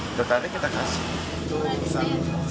tidak ada kita kasih